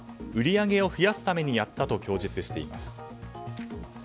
売り上げを増やすためにやったと供述しています。